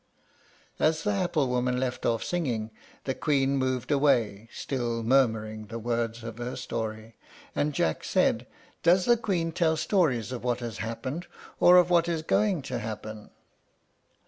As the apple woman left off singing, the Queen moved away, still murmuring the words of her story, and Jack said, "Does the Queen tell stories of what has happened, or of what is going to happen?"